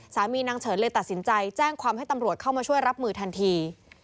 นางเฉินเลยตัดสินใจแจ้งความให้ตำรวจเข้ามาช่วยรับมือทันที